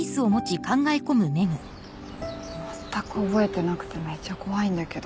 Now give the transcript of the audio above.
全く覚えてなくてめちゃ怖いんだけど。